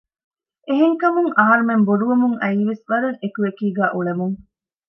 އެހެންކަމުން އަހަރުމެން ބޮޑުވަމުން އައީވެސް ވަރަށް އެކު އެކީގައި އުޅެމުން